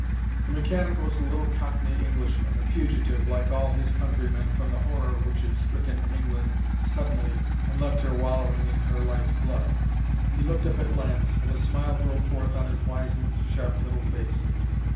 The mechanic was a little cockney Englishman, a fugitive, like all his countrymen, from the horror which had stricken England suddenly and left her wallowing in her life blood. He looked up at Lance, and a smile broke forth on his wizened, sharp little face.